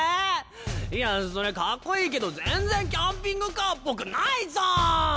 いやそれかっこいいけど全然キャンピングカーっぽくないじゃん！